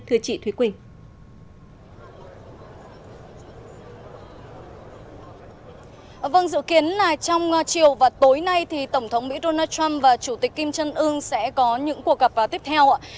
vâng dự kiến là trong chiều và tối nay thì tổng thống mỹ donald trump và chủ tịch kim trân ương sẽ có những cuộc gặp tiếp theo